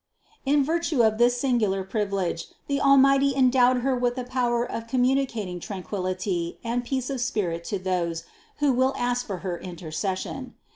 In virtue of this singular privilege the Almighty endowed Her with the power of communicating tranquillity and peace of spirit to those, who will ask for her intercession.